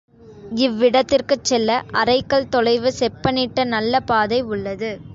இவ்விடத்திற்குச் செல்ல அரைக்கல் தொலைவு செப்பனிட்ட நல்ல பாதை உள்ளது.